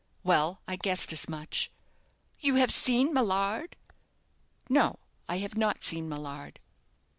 "Well, I guessed as much." "You have seen Millard?" "No, I have not seen Millard."